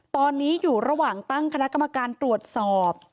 ตอนนี้อยู่ระหว่างตั้งคณะกรรมการตรวจสอบ